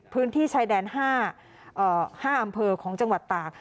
พื้นที่ชายแดน๕อำเภอของจังหวัดตาก